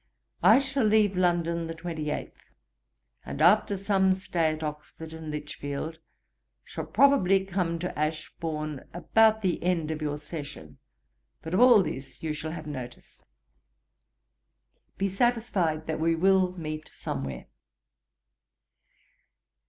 I shall leave London the 28th; and after some stay at Oxford and Lichfield, shall probably come to Ashbourne about the end of your Session, but of all this you shall have notice. Be satisfied we will meet somewhere.